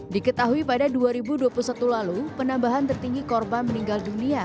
diketahui pada dua ribu dua puluh satu lalu penambahan tertinggi korban meninggal dunia